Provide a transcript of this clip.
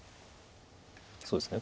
そうですね